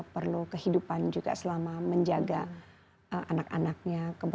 perlu kehidupan juga selama menjaga anak anaknya